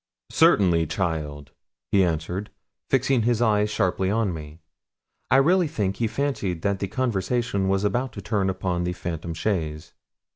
'Certainly, child,' he answered, fixing his eye sharply on me. I really think he fancied that the conversation was about to turn upon the phantom chaise.